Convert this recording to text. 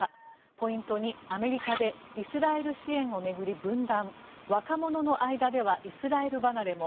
ポイント２、アメリカでイスラエル支援を巡り分断若者の間ではイスラエル離れも。